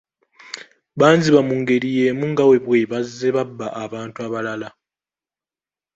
Banziba mu ngeri y'emu nga bwe bazze babba abantu abalala.